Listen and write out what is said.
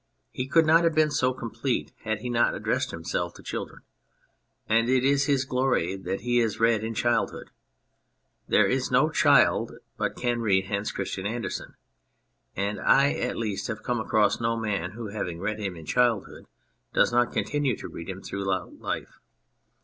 He could not have been so complete had he not addressed himself to children, and it is his glory that he is read in childhood. There is no child but can read Hans Christian Andersen, and I at least have come across no man who, having read him in childhood, does not con tinue to read him throughout life.